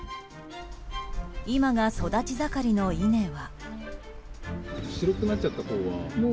今が育ち盛りの稲は。